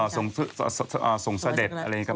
อ๋อส่งเสด็จอะไรอย่างนี้ก็ได้